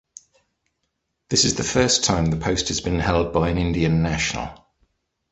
This is the first time the post has been held by an Indian national.